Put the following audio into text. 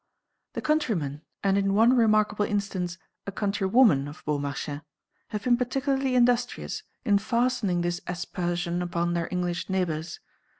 The countrymen, and in one remarkable instance, a countrywoman of Beaumarchais, have been particularly industrious in fastening this aspersion upon their English neighbours.